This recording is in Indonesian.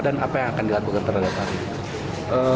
dan apa yang akan dilakukan terhadap area